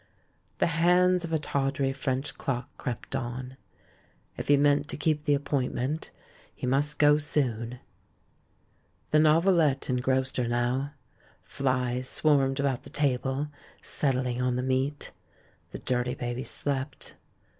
The hands of a tawdry French clock crept on. If he meant to keep the appointment, he must go soon! The novelette engrossed her now. Flies swarmed about the table, settling on the meat. The dirty baby slept.